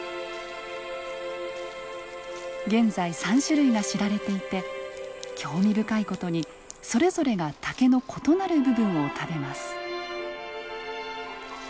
現在３種類が知られていて興味深い事にそれぞれが竹の異なる部分を食べます。